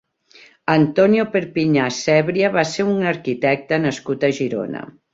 Antonio Perpiña Sebria va ser un arquitecte nascut a Girona.